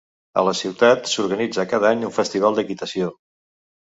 A la ciutat s'organitza cada any un festival d'equitació.